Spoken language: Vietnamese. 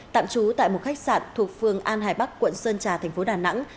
tạm trú tại một khách sạn thuộc phường an hải bắc quận sơn trà tp đà nẵng